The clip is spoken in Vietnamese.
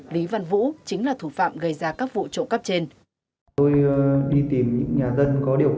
lý văn vũ chính là thủ phạm gây ra các vụ trộm cắp trên